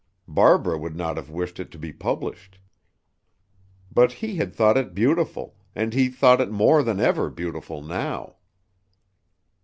Barbara would not have wished it to be published. But he had thought it beautiful, and he thought it more than ever beautiful now.